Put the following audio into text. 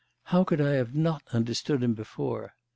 How could I have not understood him before?